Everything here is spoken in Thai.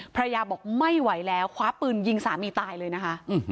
ภรรยาบอกไม่ไหวแล้วคว้าปืนยิงสามีตายเลยนะคะ